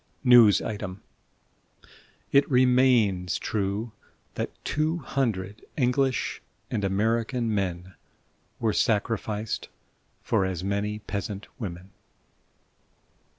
(News Item: It remains true that two hundred English and American men were sacrificed for as many peasant women.")